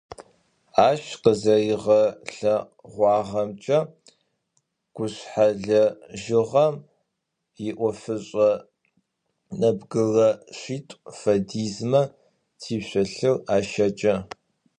Ащ къызэригъэлъэгъуагъэмкӏэ, гушъхьэлэжьыгъэм иӏофышӏэ нэбгырэ шъитӏу фэдизмэ тишъолъыр ащэкӏэ.